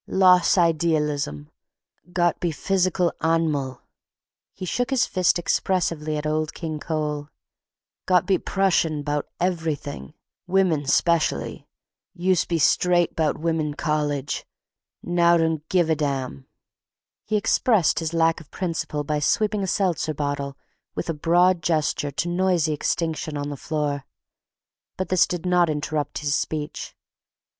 Los' idealism, got be physcal anmal," he shook his fist expressively at Old King Cole, "got be Prussian 'bout ev'thing, women 'specially. Use' be straight 'bout women college. Now don'givadam." He expressed his lack of principle by sweeping a seltzer bottle with a broad gesture to noisy extinction on the floor, but this did not interrupt his speech.